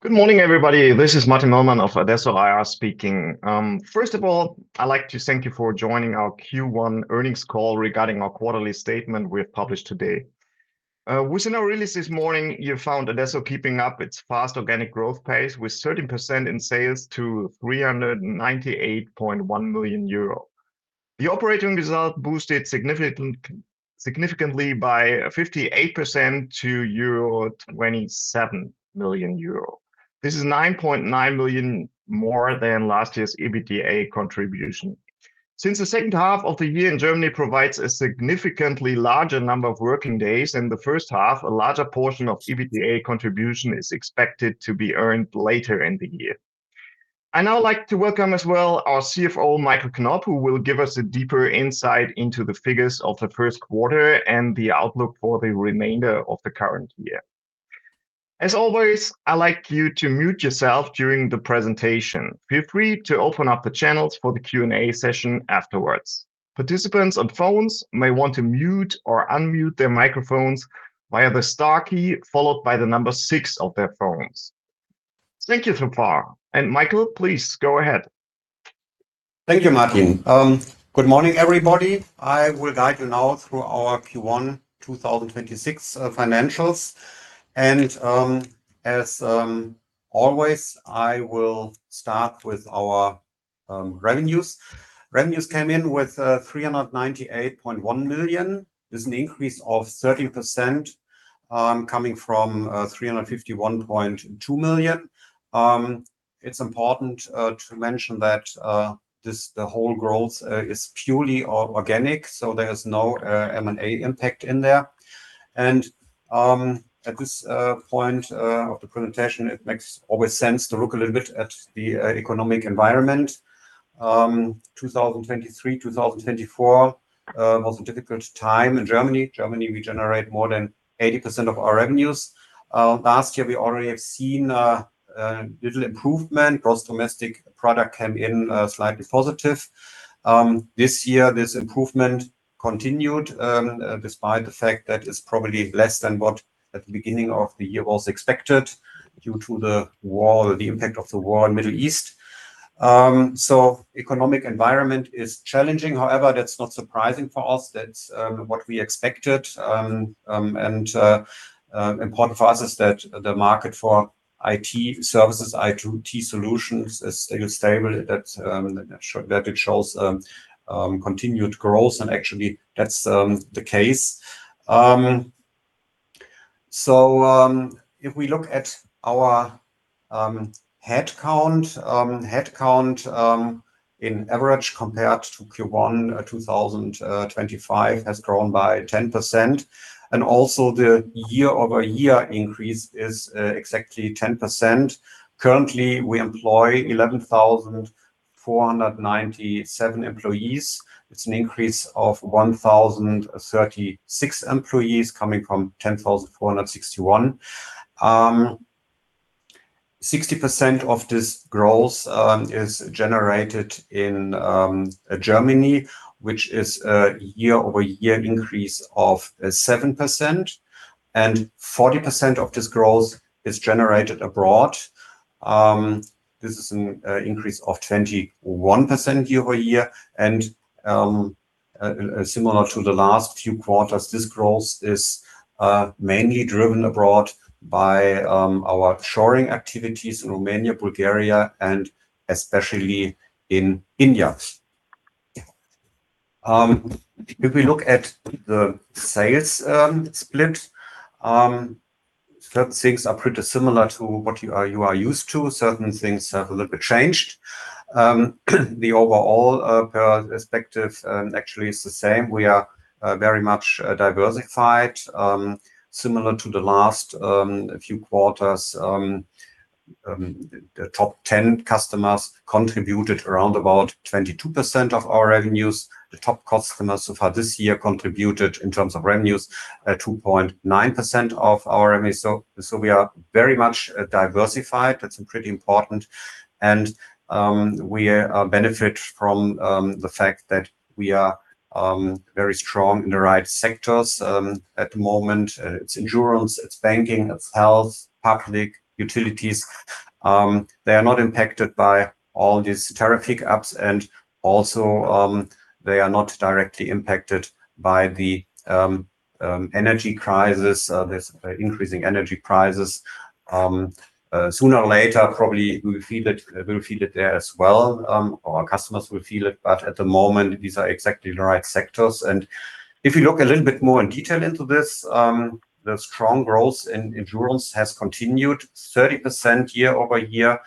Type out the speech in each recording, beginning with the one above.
Good morning, everybody. This is Martin Möllmann of adesso SE speaking. First of all, I'd like to thank you for joining our Q1 earnings call regarding our quarterly statement we have published today. Within our release this morning, you found adesso keeping up its fast organic growth pace with 13% in sales to 398.1 million euro. The operating result boosted significantly by 58% to 27 million euro. This is 9.9 million more than last year's EBITDA contribution. Since the second half of the year in Germany provides a significantly larger number of working days than the first half, a larger portion of EBITDA contribution is expected to be earned later in the year. I'd now like to welcome as well our CFO, Michael Knoop, who will give us a deeper insight into the figures of the first quarter and the outlook for the remainder of the current year. As always, I'd like you to mute yourself during the presentation. Feel free to open up the channels for the Q&A session afterwards. Participants on phones may want to mute or unmute their microphones via the star key, followed by the number six of their phones. Thank you so far. Michael, please go ahead. Thank you, Martin. Good morning, everybody. I will guide you now through our Q1 2026 financials. As always, I will start with our revenues. Revenues came in with 398.1 million. This is an increase of 13%, coming from 351.2 million. It's important to mention that this, the whole growth, is purely organic, so there's no M&A impact in there. At this point of the presentation, it makes always sense to look a little bit at the economic environment. 2023, 2024 was a difficult time in Germany. Germany, we generate more than 80% of our revenues. Last year we already have seen little improvement. Gross domestic product came in slightly positive. This year, this improvement continued, despite the fact that it's probably less than what at the beginning of the year was expected due to the war, the impact of the war in Middle East. Economic environment is challenging. That's not surprising for us. That's what we expected. Important for us is that the market for IT services, IT solutions is still stable. That it shows continued growth and actually that's the case. If we look at our headcount, in average compared to Q1 2025 has grown by 10%, and also the year-over-year increase is exactly 10%. Currently, we employ 11,497 employees. It's an increase of 1,036 employees coming from 10,461. 60% of this growth is generated in Germany, which is a year-over-year increase of 7%, and 40% of this growth is generated abroad. This is an increase of 21% year-over-year. Similar to the last few quarters, this growth is mainly driven abroad by our shoring activities in Romania, Bulgaria, and especially in India. If we look at the sales split, certain things are pretty similar to what you are used to. Certain things have a little bit changed. The overall perspective actually is the same. We are very much diversified. Similar to the last few quarters, the top 10 customers contributed around about 22% of our revenues. The top customers so far this year contributed in terms of revenues, 2.9% of our revenue. We are very much diversified. That's pretty important. We benefit from the fact that we are very strong in the right sectors. At the moment, it's insurance, it's banking, it's health, public utilities. They are not impacted by all these tariff hiccups and also, they are not directly impacted by the energy crisis, this increasing energy crisis. Sooner or later, probably we'll feel it, we'll feel it there as well, our customers will feel it, but at the moment, these are exactly the right sectors. If you look a little bit more in detail into this, the strong growth in insurance has continued 30% year-over-year.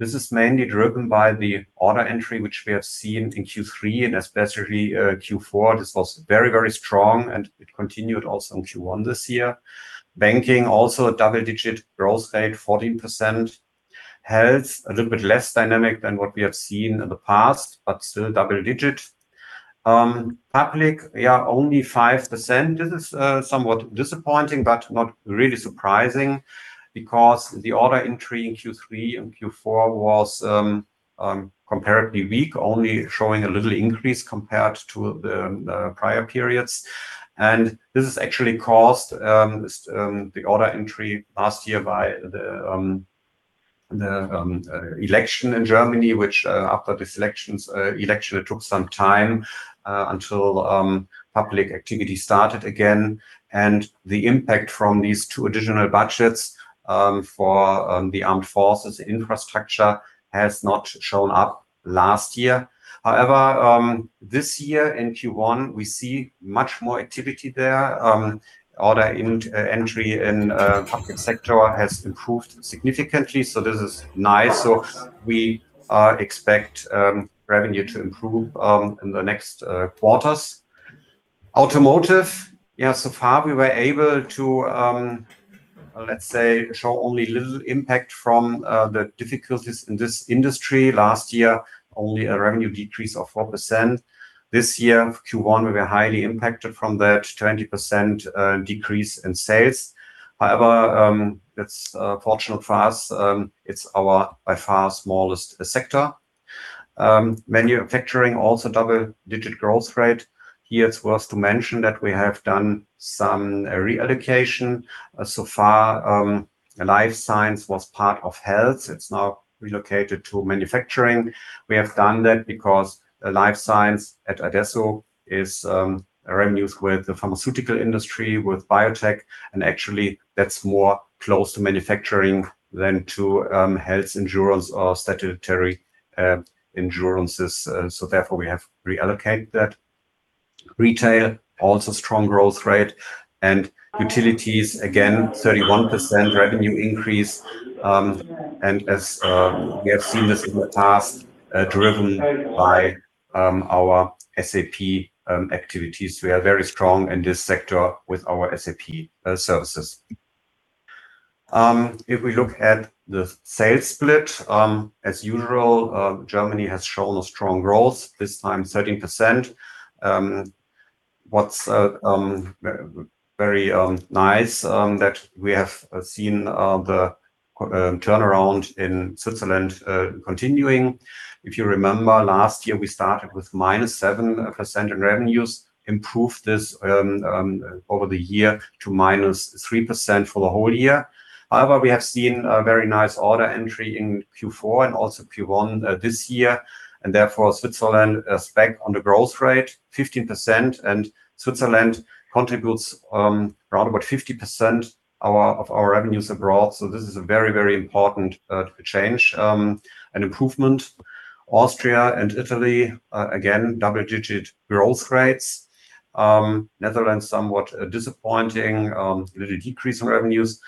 This is mainly driven by the order entry, which we have seen in Q3 and especially, Q4. This was very, very strong, and it continued also in Q1 this year. Banking, also a double-digit growth rate, 14%. Health, a little bit less dynamic than what we have seen in the past, but still double digit. Public, yeah, only 5%. This is somewhat disappointing, but not really surprising because the order entry in Q3 and Q4 was comparatively weak, only showing a little increase compared to the prior periods. This is actually caused, the order entry last year by the election in Germany, which after this election, it took some time until public activity started again. The impact from these two additional budgets for the armed forces infrastructure has not shown up last year. However, this year in Q1, we see much more activity there. Order entry in public sector has improved significantly, this is nice. We expect revenue to improve in the next quarters. Automotive. So far we were able to, let's say, show only little impact from the difficulties in this industry. Last year, only a revenue decrease of 4%. This year, Q1, we were highly impacted from that 20% decrease in sales. However, it's fortunate for us, it's our by far smallest sector. Manufacturing also double-digit growth rate. Here it's worth to mention that we have done some reallocation. So far, life science was part of health. It's now relocated to manufacturing. We have done that because life science at adesso is revenues with the pharmaceutical industry, with biotech, and actually that's more close to manufacturing than to health insurance or statutory insurances. Therefore we have reallocated that. Retail, also strong growth rate. Utilities, again, 31% revenue increase. As we have seen this in the past, driven by our SAP activities. We are very strong in this sector with our SAP services. If we look at the sales split, as usual, Germany has shown a strong growth, this time 13%. What's very nice that we have seen the turnaround in Switzerland continuing. If you remember last year, we started with -7% in revenues, improved this over the year to -3% for the whole year. However, we have seen a very nice order entry in Q4 and also Q1 this year, and therefore Switzerland is back on the growth rate 15%, and Switzerland contributes around about 50% of our revenues overall. This is a very important change and improvement. Austria and Italy, again, double-digit growth rates. Netherlands, somewhat disappointing, little decrease in revenues.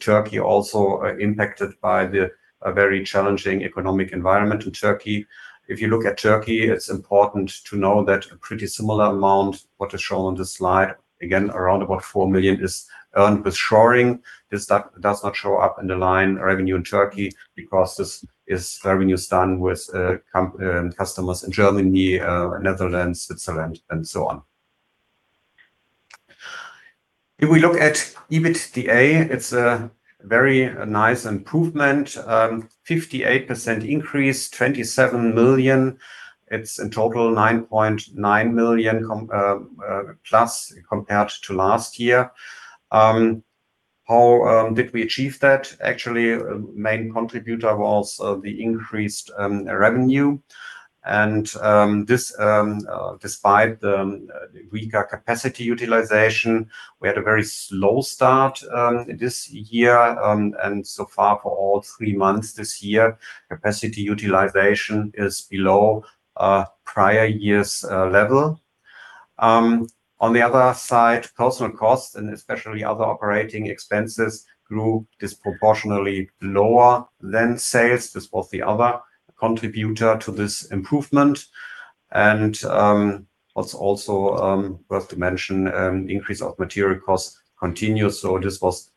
Turkey also impacted by the very challenging economic environment in Turkey. If you look at Turkey, it's important to know that a pretty similar amount, what is shown on this slide, again, around about 4 million, is earned with shoring. This does not show up in the line revenue in Turkey because this is revenues done with customers in Germany, Netherlands, Switzerland and so on. If we look at EBITDA, it's a very nice improvement. 58% increase, 27 million. It's in total 9.9 million plus compared to last year. How did we achieve that? Actually, main contributor was the increased revenue and this despite the weaker capacity utilization. We had a very slow start this year, and so far for all 3 months this year, capacity utilization is below prior year's level. On the other side, personal costs and especially other operating expenses grew disproportionately lower than sales. This was the other contributor to this improvement. What's also worth to mention, increase of material costs continued, so this was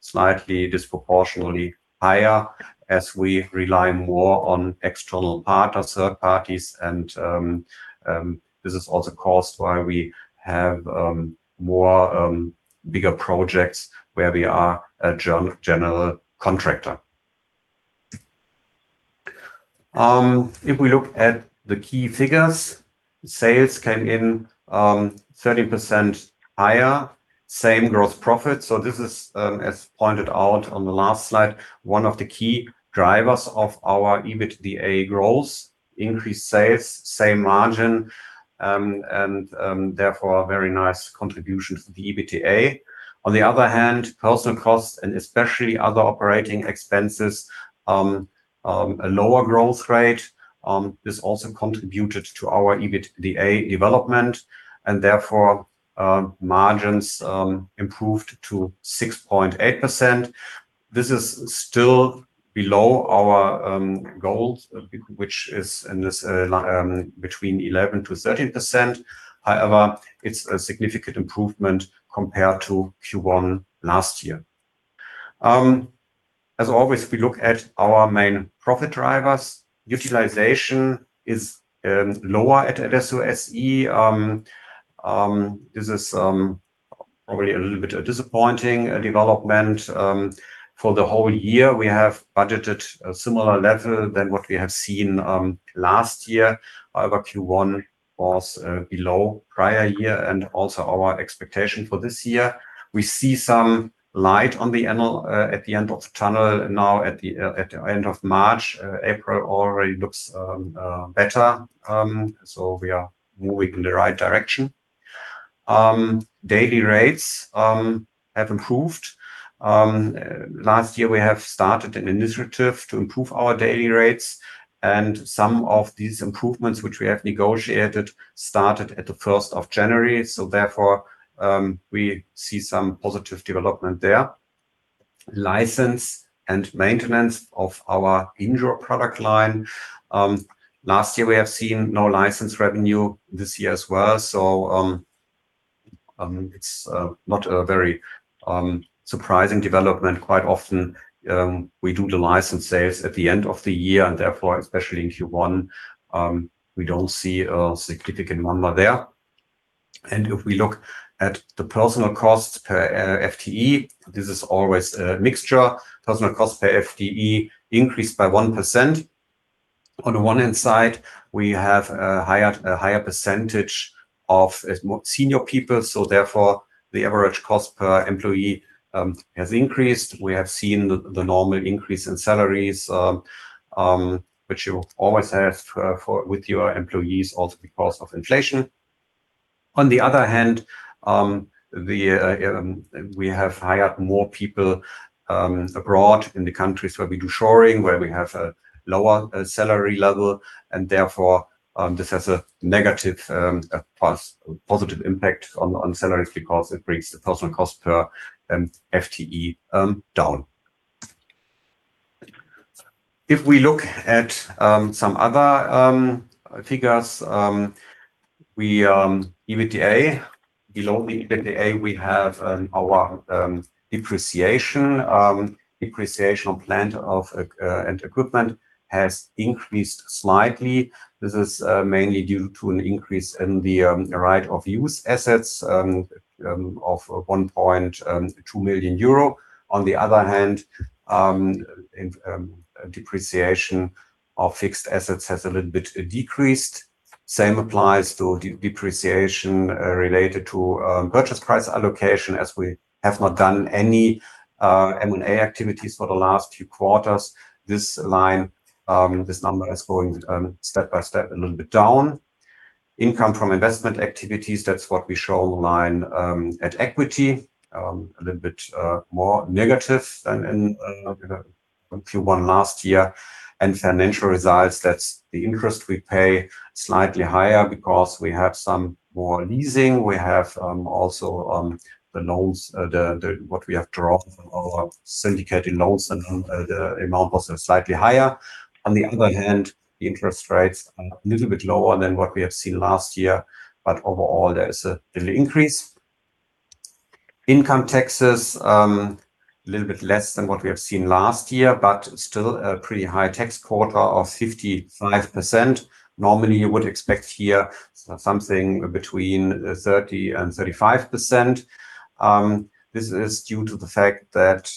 slightly disproportionately higher as we rely more on external partner, third parties. This is also caused why we have more bigger projects where we are a general contractor. If we look at the key figures, sales came in 13% higher. Same gross profit. This is, as pointed out on the last slide, one of the key drivers of our EBITDA growth. Increased sales, same margin, and therefore, a very nice contribution to the EBITDA. On the other hand, personal costs and especially other operating expenses, a lower growth rate. This also contributed to our EBITDA development and therefore, margins improved to 6.8%. This is still below our goal, which is in this, between 11%-13%. However, it's a significant improvement compared to Q1 last year. As always, we look at our main profit drivers. Utilization is lower at adesso SE. This is probably a little bit disappointing development. For the whole year, we have budgeted a similar level than what we have seen, last year. Q1 was below prior year and also our expectation for this year. We see some light on the end at the end of the tunnel now at the end of March. April already looks better. We are moving in the right direction. Daily rates have improved. Last year we have started an initiative to improve our daily rates and some of these improvements which we have negotiated started at the 1st of January. Therefore, we see some positive development there. License and maintenance of our in|sure product line. Last year we have seen no license revenue, this year as well. It's not a very surprising development. Quite often, we do the license sales at the end of the year and therefore, especially in Q1, we don't see a significant number there. If we look at the personal costs per FTE, this is always a mixture. Personal cost per FTE increased by 1%. On the one hand side, we have hired a higher percentage of more senior people, so therefore the average cost per employee has increased. We have seen the normal increase in salaries, which you always have to for with your employees also because of inflation. On the other hand, we have hired more people abroad in the countries where we do shoring, where we have a lower salary level and therefore, this has a negative positive impact on salaries because it brings the personal cost per FTE down. If we look at some other figures. Below the EBITDA, we have our depreciation. Depreciation of plant and equipment has increased slightly. This is mainly due to an increase in the right-of-use assets of 1.2 million euro. On the other hand, in depreciation of fixed assets has a little bit decreased. Same applies to depreciation related to purchase price allocation as we have not done any M&A activities for the last few quarters. This line, this number is going step by step a little bit down. Income from investment activities, that's what we show line at equity. A little bit more negative than in, you know, Q1 last year. Financial results, that's the interest we pay, slightly higher because we have some more leasing. We have also the loans, the what we have drawn from our syndicated loans and the amount was slightly higher. On the other hand, the interest rates are a little bit lower than what we have seen last year, but overall there is a little increase. Income taxes, a little bit less than what we have seen last year, but still a pretty high tax quarter of 55%. Normally, you would expect here something between 30%-35%. This is due to the fact that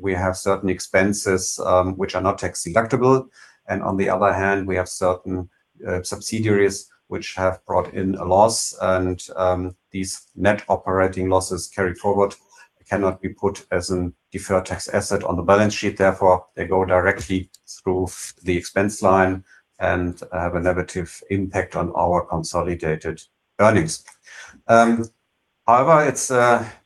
we have certain expenses which are not tax deductible. On the other hand, we have certain subsidiaries which have brought in a loss and these net operating losses carried forward cannot be put as a deferred tax asset on the balance sheet. Therefore, they go directly through the expense line and have a negative impact on our consolidated earnings. However, it's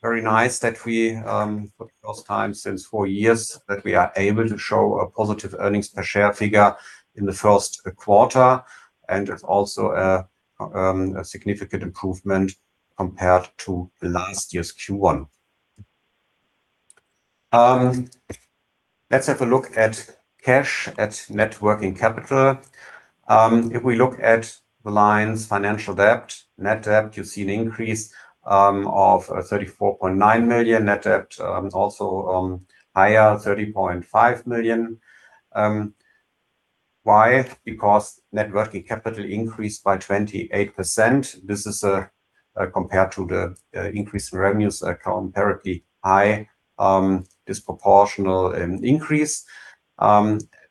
very nice that we for the first time since four years, that we are able to show a positive earnings per share figure in the first quarter and it's also a significant improvement compared to last year's Q1. Let's have a look at cash, at net working capital. If we look at the lines financial debt, net debt, you see an increase of 34.9 million. Net debt is also higher, 30.5 million. Why? Because net working capital increased by 28%. This is compared to the increased revenues are comparatively high, disproportional increase.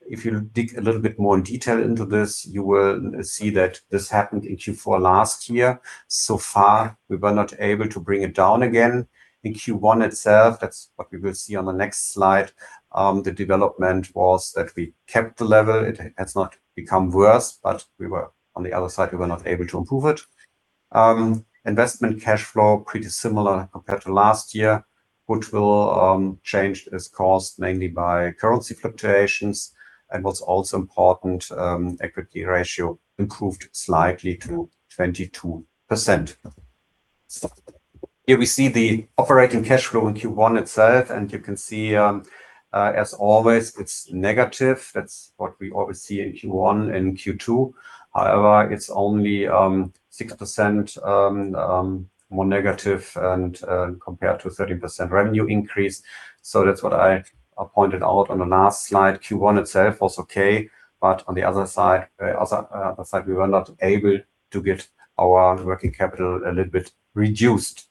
If you dig a little bit more in detail into this, you will see that this happened in Q4 last year. So far, we were not able to bring it down again. In Q1 itself, that's what we will see on the next slide, the development was that we kept the level. It's not become worse, but we were on the other side, we were not able to improve it. Investment cash flow, pretty similar compared to last year, which will change its cost mainly by currency fluctuations. What's also important, equity ratio improved slightly to 22%. Here we see the operating cash flow in Q1 itself, and you can see, as always, it's negative. That's what we always see in Q1 and Q2. However, it's only 6% more negative and compared to a 13% revenue increase. That's what I pointed out on the last slide. Q1 itself was okay. On the other side, we were not able to get our working capital a little bit reduced.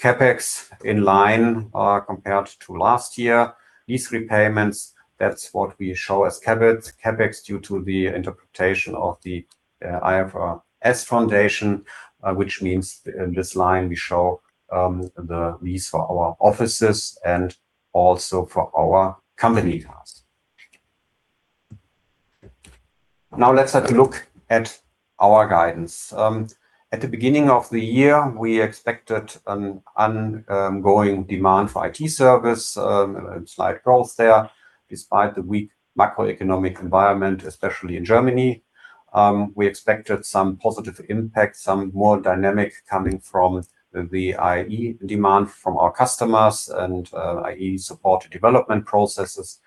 CapEx in line compared to last year. These repayments, that's what we show as CapEx. CapEx, due to the interpretation of the IFRS Foundation, which means in this line we show the lease for our offices and also for our company cars. Let's have a look at our guidance. At the beginning of the year, we expected an ongoing demand for IT service, a slight growth there despite the weak macroeconomic environment, especially in Germany. We expected some positive impact, some more dynamic coming from the AI demand from our customers and AI support development processes.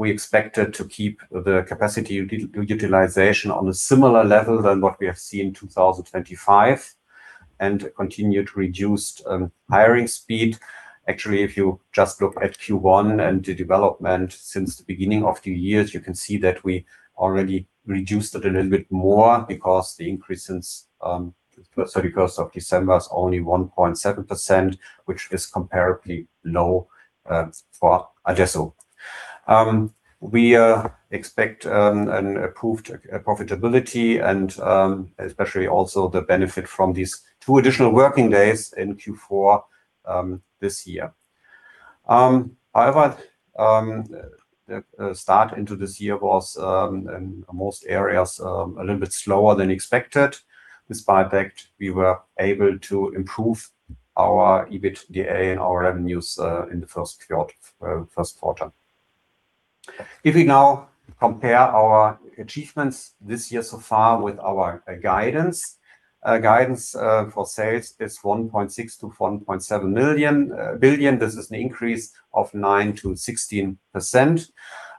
We expected to keep the capacity utilization on a similar level than what we have seen in 2025, and continue to reduce hiring speed. If you just look at Q1 and the development since the beginning of the years, you can see that we already reduced it a little bit more because the increase since, sorry, close of December is only 1.7%, which is comparably low for adesso. We expect an improved profitability and especially also the benefit from these two additional working days in Q4 this year. The start into this year was in most areas a little bit slower than expected. Despite that, we were able to improve our EBITDA and our revenues in the first quarter. If we now compare our achievements this year so far with our guidance for sales is 1.6 billion-1.7 billion. This is an increase of 9%-16%.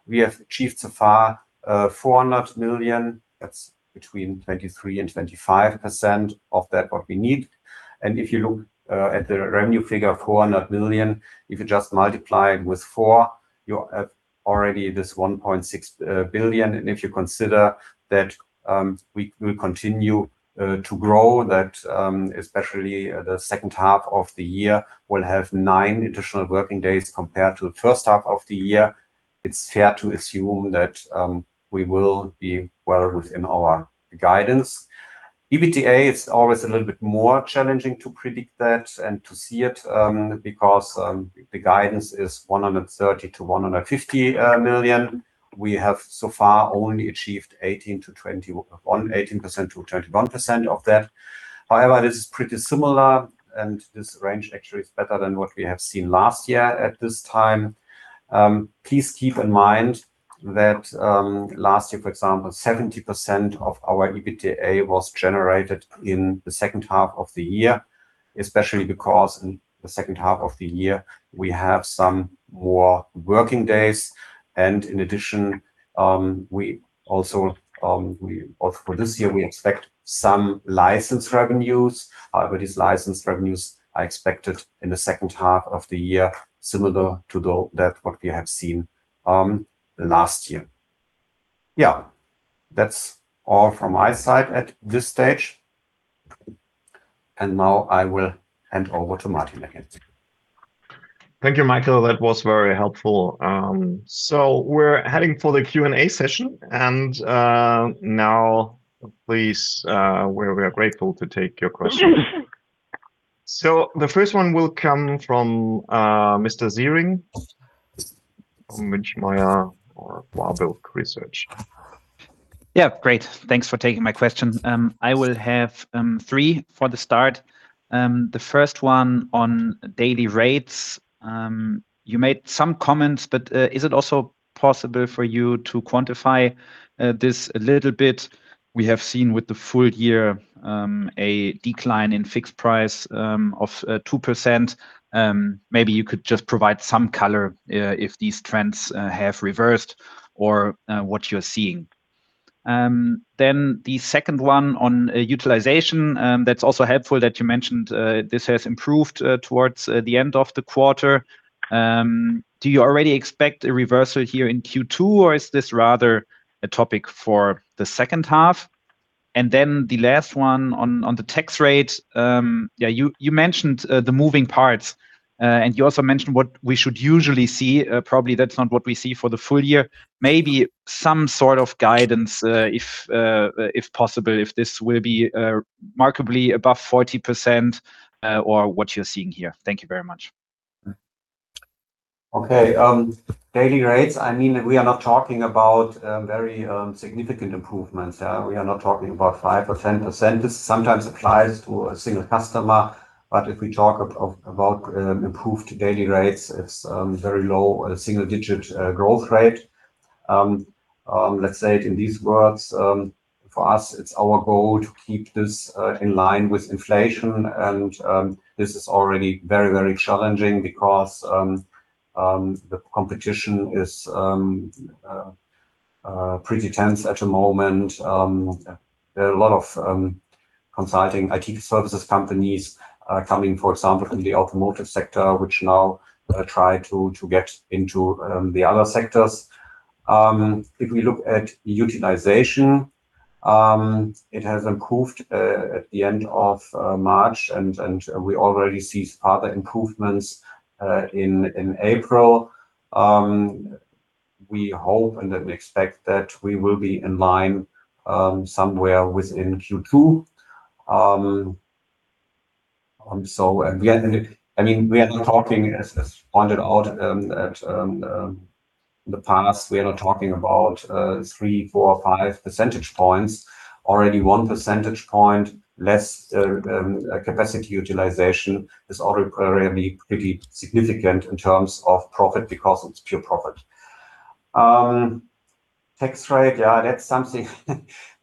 We have achieved so far 400 million. That's between 23% and 25% of that what we need. If you look at the revenue figure of 400 million, if you just multiply it with four, you have already this 1.6 billion. If you consider that we will continue to grow that, especially the second half of the year will have nine additional working days compared to the first half of the year, it's fair to assume that we will be well within our guidance. EBITDA, it's always a little bit more challenging to predict that and to see it, because the guidance is 130 million-150 million. We have so far only achieved 18%-21% of that. This is pretty similar and this range actually is better than what we have seen last year at this time. Please keep in mind that last year, for example, 70% of our EBITDA was generated in the second half of the year, especially because in the second half of the year, we have some more working days. In addition, we also expect some license revenues for this year. These license revenues are expected in the second half of the year, similar to the, that what we have seen last year. Yeah. That's all from my side at this stage. Now I will hand over to Martin again. Thank you, Michael. That was very helpful. We're heading for the Q&A session. Now please, we are grateful to take your questions. The first one will come from [Mr. Ziering from Warburg Research]. Yeah, great. Thanks for taking my question. I will have three for the start. The first one on daily rates. You made some comments, is it also possible for you to quantify this a little bit? We have seen with the full year a decline in fixed price of 2%. Maybe you could just provide some color if these trends have reversed or what you're seeing. The second one on utilization. That's also helpful that you mentioned this has improved towards the end of the quarter. Do you already expect a reversal here in Q2, or is this rather a topic for the second half? The last one on the tax rate. Yeah, you mentioned the moving parts, and you also mentioned what we should usually see. Probably that's not what we see for the full year. Maybe some sort of guidance, if possible, if this will be remarkably above 40%, or what you're seeing here. Thank you very much. Okay. Daily rates, we are not talking about very significant improvements. We are not talking about 5% or 10%. This sometimes applies to a single customer, but if we talk about improved daily rates, it's very low, a single-digit growth rate. Let's say it in these words. For us, it's our goal to keep this in line with inflation and this is already very, very challenging because the competition is pretty tense at the moment. There are a lot of consulting IT services companies coming, for example, from the automotive sector, which now try to get into the other sectors. If we look at utilization, it has improved at the end of March, and we already see further improvements in April. We hope and expect that we will be in line somewhere within Q2. I mean, we are not talking, as pointed out at the past, we are not talking about 3, 4, 5 percentage points. Already 1 percentage point less capacity utilization is already pretty significant in terms of profit because it's pure profit. Tax rate, that's something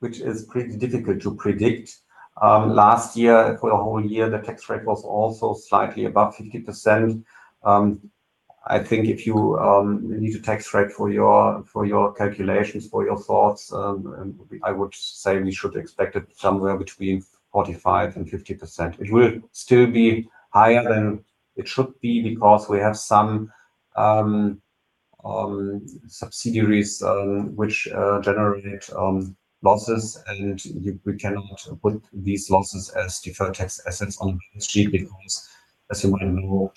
which is pretty difficult to predict. Last year, for the whole year, the tax rate was also slightly above 50%. I think if you need a tax rate for your calculations, for your thoughts, I would say we should expect it somewhere between 45%-50%, which will still be higher than it should be because we have some subsidiaries which generate losses, and we cannot put these losses as deferred tax assets on the balance sheet because, as you might know,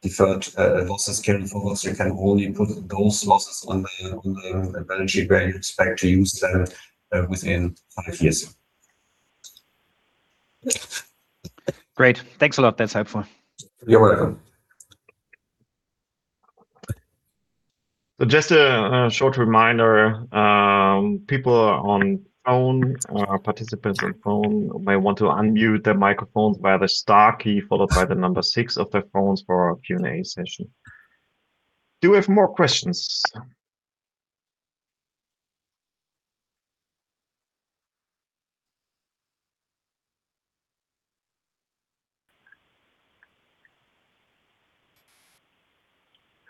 deferred losses carry forward, so you can only put those losses on the balance sheet when you expect to use them within 5 years. Great. Thanks a lot. That's helpful. You're welcome. Just a short reminder, people on phone or participants on phone may want to unmute their microphones via the star key followed by the number six of their phones for our Q&A session. Do we have more questions?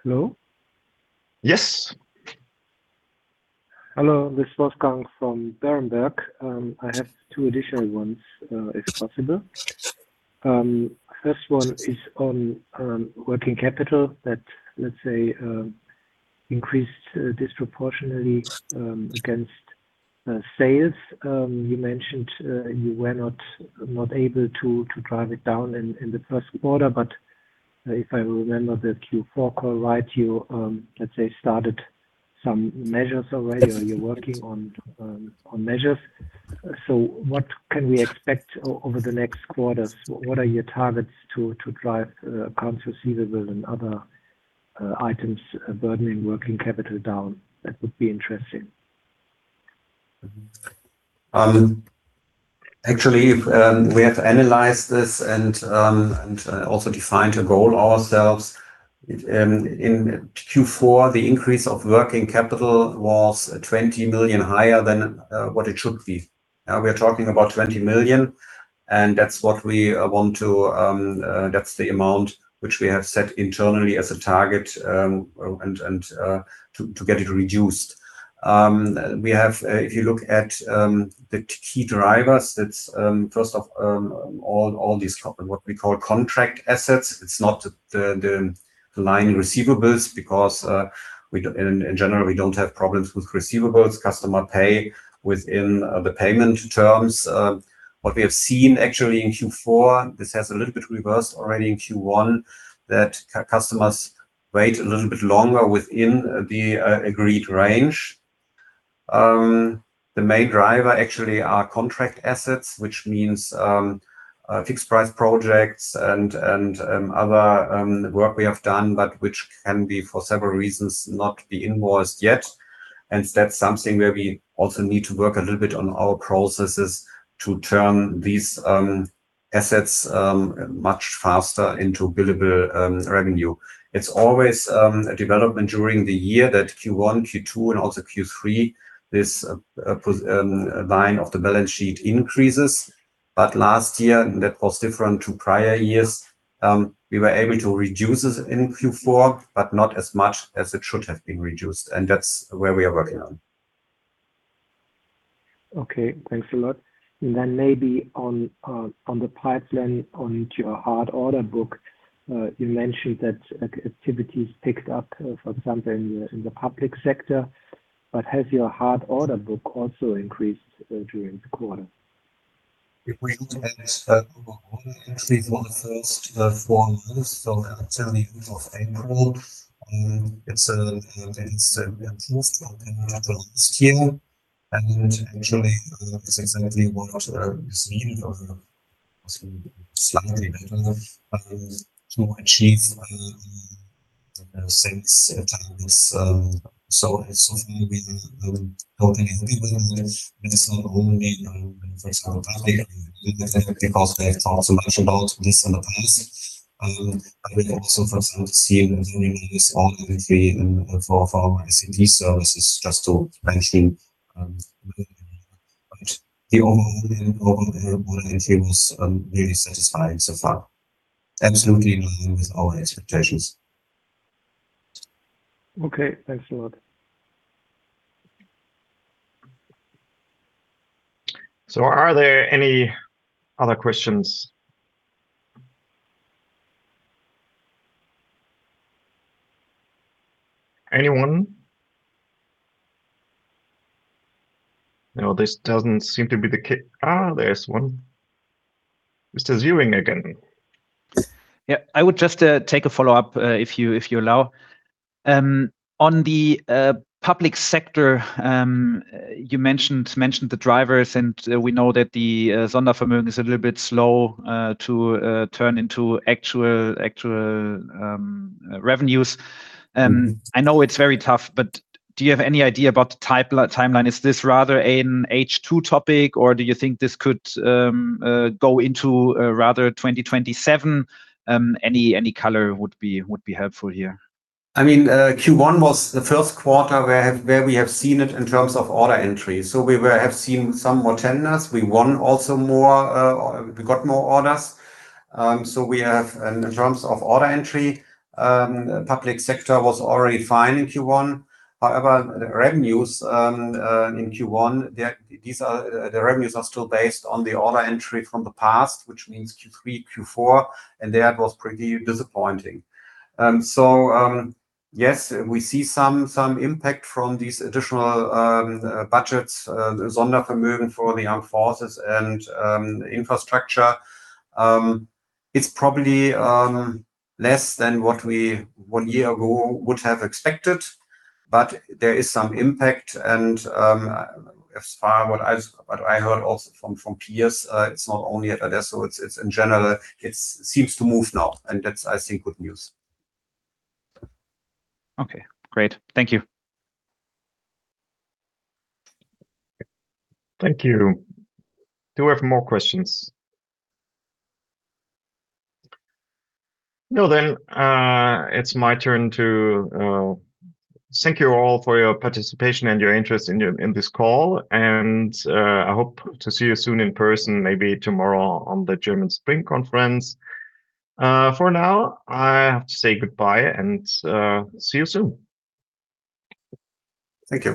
Hello? Yes. Hello, this is Wolfgang from Berenberg. I have two additional ones, if possible. First one is on working capital that, let’s say, increased disproportionately against sales. You mentioned you were not able to drive it down in the first quarter, but if I remember the Q4 call right, you, let’s say, started some measures already or you’re working on measures. What can we expect over the next quarters? What are your targets to drive accounts receivable and other items burdening working capital down? That would be interesting. Actually, we have analyzed this and also defined a goal ourselves. In Q4, the increase of working capital was 20 million higher than what it should be. We're talking about 20 million. That's the amount which we have set internally as a target and to get it reduced. We have, if you look at the key drivers, that's first off, all these what we call contract assets. It's not the line receivables because, in general, we don't have problems with receivables. Customer pay within the payment terms. What we have seen actually in Q4, this has a little bit reversed already in Q1, that customers wait a little bit longer within the agreed range. The main driver actually are contract assets, which means fixed price projects and other work we have done, but which can be for several reasons not be invoiced yet. That's something where we also need to work a little bit on our processes to turn these assets much faster into billable revenue. It's always a development during the year that Q1, Q2, and also Q3, this line of the balance sheet increases. Last year, that was different to prior years. We were able to reduce this in Q4, but not as much as it should have been reduced, and that's where we are working on. Okay. Thanks a lot. Then maybe on the pipeline on your hard order book, you mentioned that activity has picked up, for example, in the public sector, but has your hard order book also increased during the quarter? If we look at this overall order entry for the first 4 months, so until the end of April, it's improved on the level of this year, and actually, that's exactly what is needed, possibly slightly better, to achieve sales targets. So far we are opening everywhere. That is not only, for example, public. I mean, because we have talked so much about this in the past. We also for example see very nice order entry in for our SAP services just to mention, but the overall order entry was really satisfying so far, absolutely in line with our expectations. Okay. Thanks a lot. Are there any other questions? Anyone? No, this doesn't seem to be the. There's one. Mr. Ziering again. Yeah, I would just take a follow-up if you, if you allow. On the public sector, you mentioned the drivers. We know that the Sondervermögen is a little bit slow to turn into actual revenues. I know it's very tough. Do you have any idea about the timeline? Is this rather an H2 topic, or do you think this could go into rather 2027? Any color would be helpful here. I mean, Q1 was the first quarter where we have seen it in terms of order entry. We have seen some more tenders. We won also more, or we got more orders. We have, in terms of order entry, public sector was already fine in Q1. However, the revenues in Q1, the revenues are still based on the order entry from the past, which means Q3, Q4, and that was pretty disappointing. Yes, we see some impact from these additional budgets, the Sondervermögen for the armed forces and infrastructure. It's probably less than what we 1 year ago would have expected, but there is some impact. As far what I heard also from peers, it's not only at adesso, it's in general, it seems to move now, and that's I think good news. Okay, great. Thank you. Thank you. Do we have more questions? No, it's my turn to thank you all for your participation and your interest in this call. I hope to see you soon in person, maybe tomorrow on the German Spring Conference. For now I have to say goodbye and see you soon. Thank you.